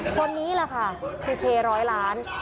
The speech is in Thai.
คนนี้แหละค่ะคือเคร้อยล้าน